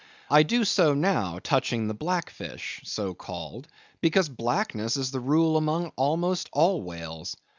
I do so now, touching the Black Fish, so called, because blackness is the rule among almost all whales.